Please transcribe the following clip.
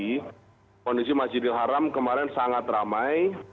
kondisi masjidil haram kemarin sangat ramai